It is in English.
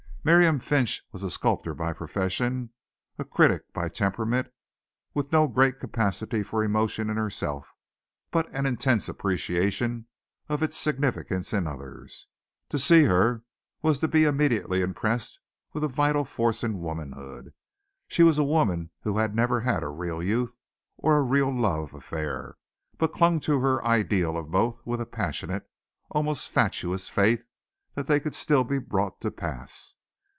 Miriam Finch was a sculptor by profession a critic by temperament, with no great capacity for emotion in herself but an intense appreciation of its significance in others. To see her was to be immediately impressed with a vital force in womanhood. She was a woman who had never had a real youth or a real love affair, but clung to her ideal of both with a passionate, almost fatuous, faith that they could still be brought to pass.